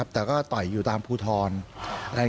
แต่ก็ต่อยอยู่ตามภูทร